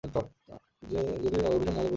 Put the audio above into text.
যদি অর্থের অভিসন্ধি না হয়, তবে প্রভুত্বের মতলব।